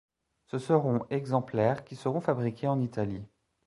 Ce seront exemplaires qui seront fabriqués en Italie.